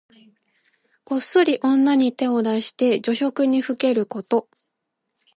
こっそり女に手を出して女色にふけること。